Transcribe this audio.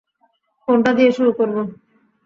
কোনটা দিয়ে শুরু করব?